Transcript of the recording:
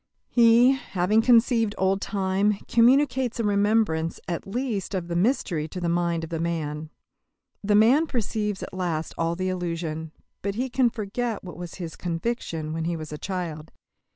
He, having conceived old time, communicates a remembrance at least of the mystery to the mind of the man. The man perceives at last all the illusion, but he cannot forget what was his conviction when he was a child.